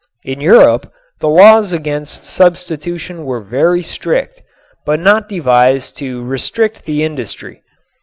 In Europe the laws against substitution were very strict, but not devised to restrict the industry.